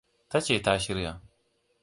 Ta ce ta shirya.